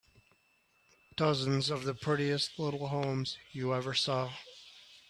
Dozens of the prettiest little homes you ever saw.